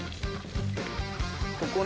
ここね。